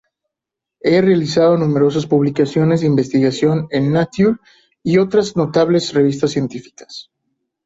Ha realizado numerosas publicaciones de investigación en "Nature" y otras notables revistas científicas.